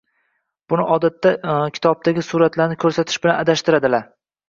Buni odatda kitobdagi suratlarni ko‘rsatish bilan adashtiradiladilar.